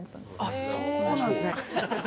あっそうなんすね。